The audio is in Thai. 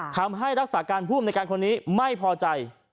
ทำให้รักษาการผู้อำนวยการคนนี้ไม่พอใจ